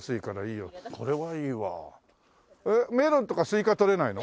メロンとかスイカとれないの？